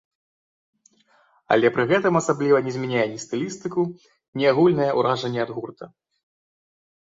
Але пры гэтым асабліва не змяняе ні стылістыку, ні агульнае ўражанне ад гурта.